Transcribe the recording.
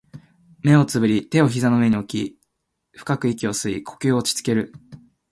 目を瞑り、手を膝の上に置き、深く息を吸い、呼吸を落ち着ける